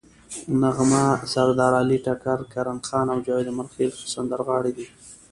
نغمه، سردارعلي ټکر، کرن خان او جاوید امیرخیل ښه سندرغاړي دي.